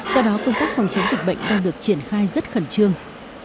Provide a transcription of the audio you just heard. do đó công tác phòng chống dịch bệnh đang được triển khai rất khẩn trương